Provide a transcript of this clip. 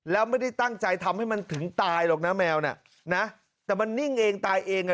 แล้วไม่ได้ตั้งใจทำให้มันถึงตายหรอกนะแมวน่ะนะแต่มันนิ่งเองตายเองอ่ะ